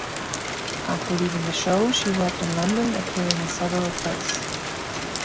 After leaving the show, she worked in London, appearing in several plays.